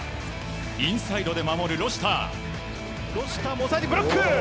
インサイドで守るロシター。